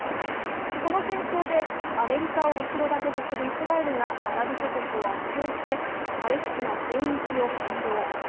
この戦争でアメリカを後ろ盾とするイスラエルがアラブ諸国を圧倒してパレスチナ全域を占領。